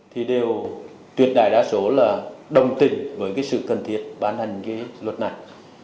thì đều tuyệt đại đa số là đồng tình với cái sự cần thiết ban hành cái luật này